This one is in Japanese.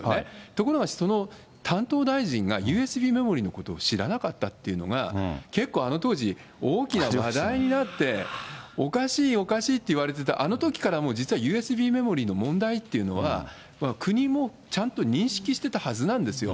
ところがその担当大臣が、ＵＳＢメモリのことを知らなかったっていうのが、結構あの当時、大きな話題になって、おかしい、おかしいって言われてたあのときから、実はＵＳＢメモリの問題っていうのは、国もちゃんと認識してたはずなんですよ。